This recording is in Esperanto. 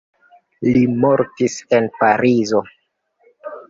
Li mortis en Parizo.